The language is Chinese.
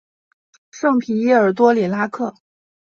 圣皮耶尔多里拉克。